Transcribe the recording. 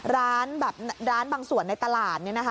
ร้านบางส่วนในตลาด